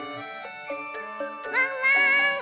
ワンワーン！